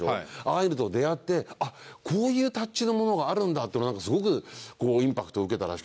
ああいうのと出会ってこういうタッチのものがあるんだってすごくこうインパクトを受けたらしくて。